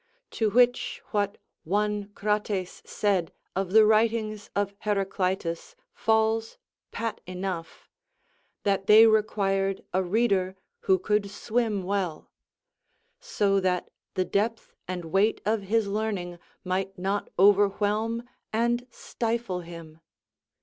To which what one Crates' said of the writings of Heraclitus falls pat enough, "that they required a reader who could swim well," so that the depth and weight of his learning might not overwhelm and stifle him.